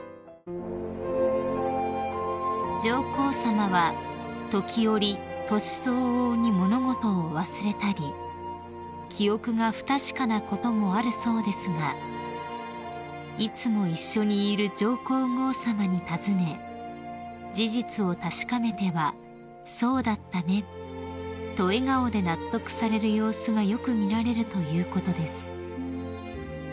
［上皇さまは時折年相応に物事を忘れたり記憶が不確かなこともあるそうですがいつも一緒にいる上皇后さまに尋ね事実を確かめては「そうだったね」と笑顔で納得される様子がよく見られるということです］